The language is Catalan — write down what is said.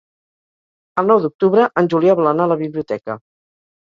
El nou d'octubre en Julià vol anar a la biblioteca.